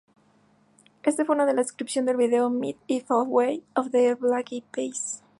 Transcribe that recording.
Este fue una descripción del vídeo "Meet me halfway" de The Black Eyed Peas.